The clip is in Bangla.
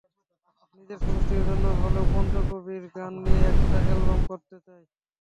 নিজের সন্তুষ্টির জন্য হলেও পঞ্চকবির গান নিয়ে একটা অ্যালবাম করতে চাই।